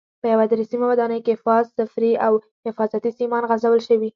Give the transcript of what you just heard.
په یوه درې سیمه ودانۍ کې فاز، صفري او حفاظتي سیمان غځول شوي.